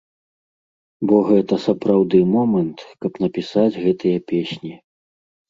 Бо гэта сапраўды момант, каб напісаць гэтыя песні.